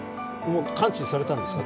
完治されたんですか。